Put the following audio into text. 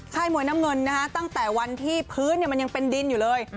มวยน้ำเงินนะฮะตั้งแต่วันที่พื้นมันยังเป็นดินอยู่เลย